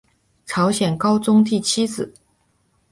朝鲜高宗第七子。